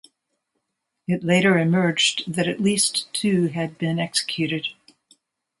It later emerged that at least two had been executed.